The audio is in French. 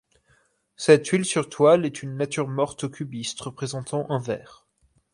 Cette huile sur toile est une nature morte cubiste représentant un verre.